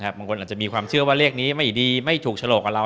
บางคนอาจจะมีความเชื่อว่าเลขนี้ไม่ดีไม่ถูกฉลกกับเรา